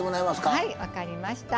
はい分かりました。